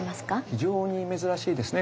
非常に珍しいですね。